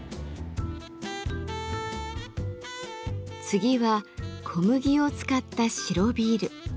次は小麦を使った白ビール。